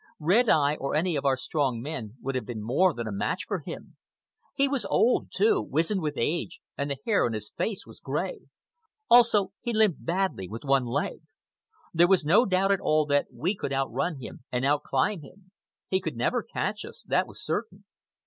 Red Eye or any of our strong men would have been more than a match for him. He was old, too, wizened with age, and the hair on his face was gray. Also, he limped badly with one leg. There was no doubt at all that we could out run him and out climb him. He could never catch us, that was certain.